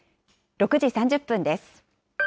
６時３０分です。